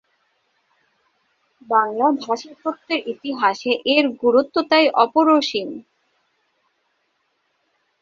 বাংলা ভাষাতত্ত্বের ইতিহাসে এর গুরুত্ব তাই অপরিসীম।